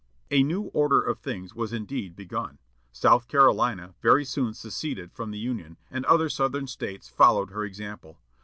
'" A "new order of things" was indeed begun. South Carolina very soon seceded from the Union, and other southern States followed her example.